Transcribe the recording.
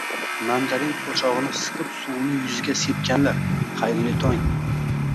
Mandarin po'chog'ini siqib suvini yuziga sepganlar, xayrli tong!